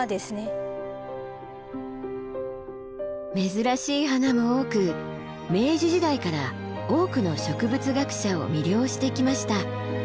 珍しい花も多く明治時代から多くの植物学者を魅了してきました。